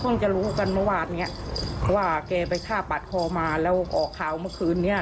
จะรู้กันเมื่อวานเนี้ยว่าแกไปฆ่าปาดคอมาแล้วออกข่าวเมื่อคืนนี้